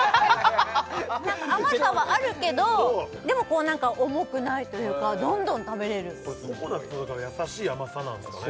甘さはあるけどでも重くないというかどんどん食べれるこれココナッツだから優しい甘さなんですかね